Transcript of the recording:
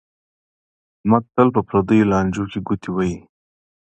احمد تل په پردیو لانجو کې گوتې وهي